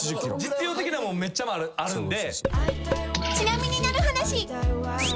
実用的なのめっちゃあるんで。